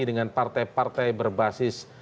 dengan partai partai berbasis